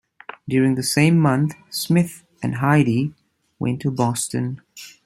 During the same month, Smith and Hyde went to Boston.